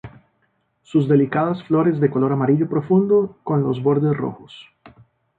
Sus delicadas flores de color amarillo profundo, con los bordes rojos.